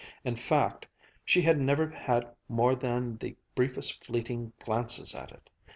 In fact, she had never had more than the briefest fleeting glances at it.